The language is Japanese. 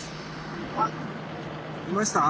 あいました？